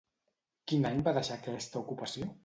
Quin any va deixar aquesta ocupació?